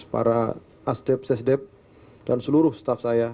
para asdep sesdep dan seluruh staff saya